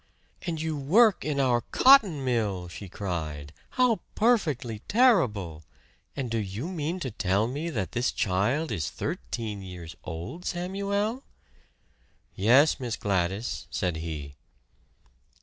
"And you work in our cotton mill!" she cried. "How perfectly terrible! And do you mean to tell me that this child is thirteen years old, Samuel?" "Yes, Miss Gladys," said he.